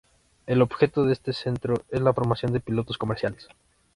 El objeto de este centro es la formación de pilotos comerciales.